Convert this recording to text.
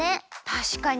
たしかに。